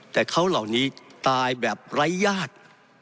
แต่เขาเหล่านี้ตายแบบไร้ญาติ